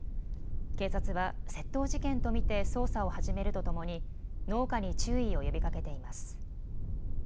警察は窃盗事件と見て捜査を始めるとともに農家に注意を呼びかけています。